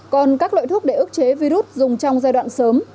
còn các loại thuốc để ức chế virus dùng trong giai đoạn sớm